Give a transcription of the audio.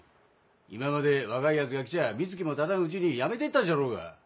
今まで若いヤツが来ちゃあ三月もたたんうちに辞めてったじゃろうが。